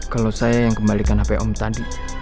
kalau saya yang kembalikan hp om tadi